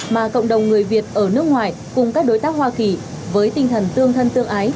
mà cộng đồng người việt ở nước ngoài cùng các đối tác hoa kỳ với tinh thần tương thân tương ái